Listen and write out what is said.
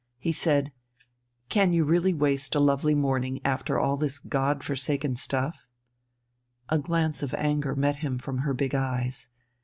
He said, "Can you really waste a lovely morning over all this God forsaken stuff?" A glance of anger met him from her big eyes.